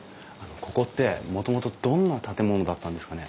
ここってもともとどんな建物だったんですかね？